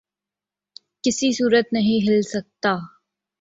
کسی صورت نہیں کھل سکتا